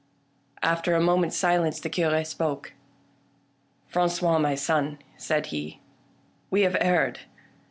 After a moment's silence the Cure spoke. " Fran cois, my son," said he, " we have erred.